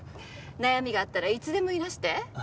悩みがあったらいつでもいらして。